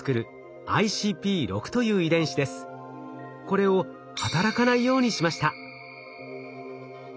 これを働かないようにしました。